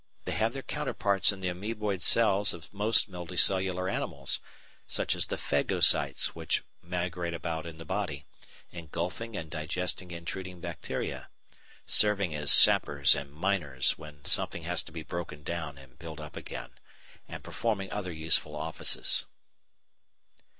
They have their counterparts in the amoeboid cells of most multicellular animals, such as the phagocytes which migrate about in the body, engulfing and digesting intruding bacteria, serving as sappers and miners when something has to be broken down and built up again, and performing other useful offices.